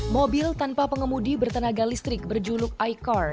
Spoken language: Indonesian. mobil tanpa pengemudi bertenaga listrik berjuluk icar